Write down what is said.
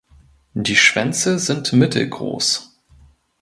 Die Schwänze sind mittelgroß.